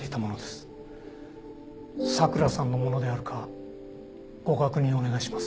咲良さんのものであるかご確認お願いします。